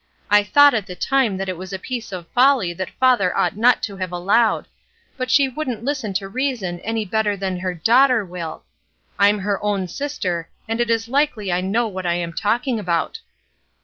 I thought at the time that it was a piece of folly that father ought not to have allowed; but she wouldn't hsten to reason any better than her daughter will. I'm her own sister, and it is Ukely I know what I am talking about."